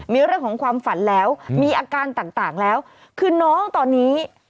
มีเรื่องของความฝันแล้วมีอาการต่างแล้วคือน้องตอนนี้